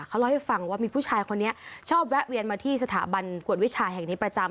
เขาเล่าให้ฟังว่ามีผู้ชายคนนี้ชอบแวะเวียนมาที่สถาบันกวดวิชาแห่งนี้ประจำ